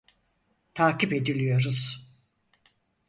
Takip ediliyoruz.